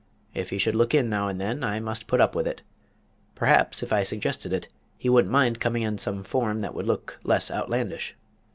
If he should look in now and then, I must put up with it. Perhaps, if I suggested it, he wouldn't mind coming in some form that would look less outlandish.